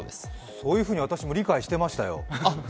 そういうふうに私も理解してましたよ。